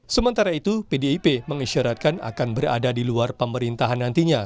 sementara itu pdip mengisyaratkan akan berada di luar pemerintahan nantinya